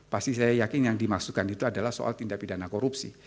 pasti saya yakin yang dimaksudkan itu adalah soal tindak pidana korupsi